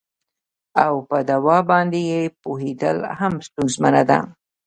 او په دوا باندې یې پوهیدل هم ستونزمنه ده